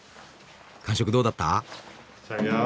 感触どうだった？